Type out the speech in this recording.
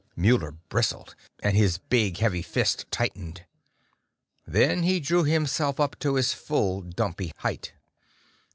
Muller bristled, and big heavy fist tightened. Then he drew himself up to his full dumpy height.